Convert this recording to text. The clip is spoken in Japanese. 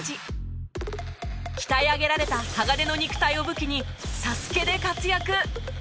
鍛え上げられた鋼の肉体を武器に『ＳＡＳＵＫＥ』で活躍